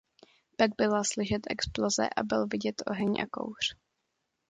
Pak byla slyšet exploze a byl vidět oheň a kouř.